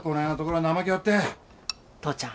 父ちゃん。